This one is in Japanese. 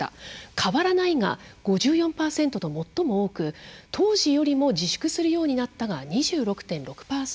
変わらないが５４％と最も多く、当時よりも自粛するようになったが２６．６％。